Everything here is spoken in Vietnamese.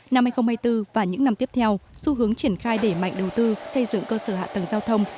năm hai nghìn hai mươi bốn và những năm tiếp theo xu hướng triển khai để mạnh đầu tư xây dựng cơ sở hạ tầng giao thông